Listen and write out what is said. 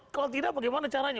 kalau tidak bagaimana caranya